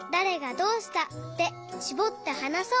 「どうした」でしぼってはなそう！